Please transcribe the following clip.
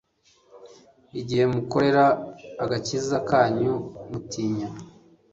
igihe mukorera agakiza kanyu mutinya